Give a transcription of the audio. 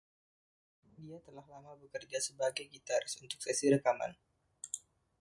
Dia telah lama bekerja sebagai gitaris untuk sesi rekaman.